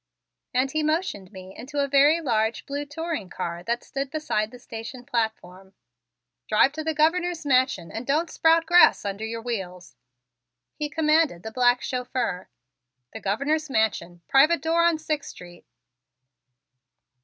And he motioned me into a very large blue touring car that stood beside the station platform. "Drive to the Governor's Mansion and don't sprout grass under your wheels," he commanded the black chauffeur. "The Governor's Mansion, private door on Sixth Street."